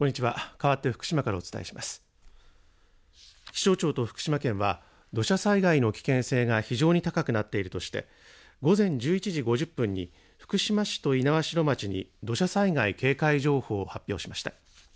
気象庁と福島県は、土砂災害の危険性が非常に高くなっているとして、午前１１時５０分に、福島市と猪苗代町に土砂災害警戒情報を発表しました。